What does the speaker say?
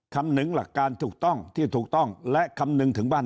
คำนึงหลักการถูกต้องที่ถูกต้องและคำนึงถึงบ้าน